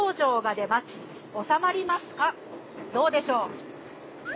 どうでしょう？